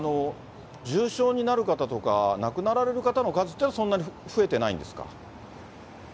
重症になる方とか、亡くなられる方の数っていうのはそんなに増えてないんですか？